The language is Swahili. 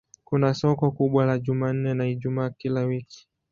Kuna soko kubwa la Jumanne na Ijumaa kila wiki.